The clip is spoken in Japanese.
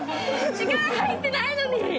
力入ってないのに！